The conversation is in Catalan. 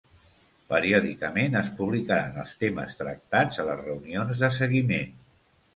Periòdicament es publicaran els temes tractats a les reunions de seguiment.